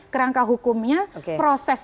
kerangka hukumnya proses